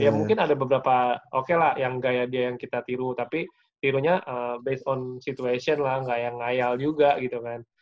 ya mungkin ada beberapa oke lah yang gaya dia yang kita tiru tapi tirunya based on situation lah nggak yang ayal juga gitu kan